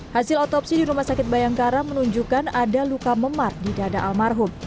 hasil otopsi di rumah sakit bayangkara menunjukkan ada luka memar di dada almarhum